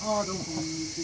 こんにちは。